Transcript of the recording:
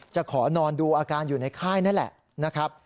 ขอนอนดูอาการอยู่ในค่ายนั่นแหละนะครับ